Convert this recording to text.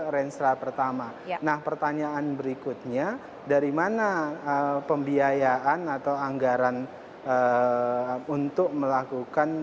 rangera pertama nah pertanyaan berikutnya dari mana pembiayaan atau anggaran untuk melakukan